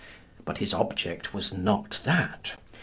But his object was not that.